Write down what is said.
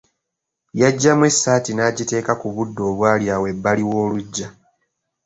Yaggyamu essaati n'agiteeka ku buddo obwali awo ebbali w’oluggya.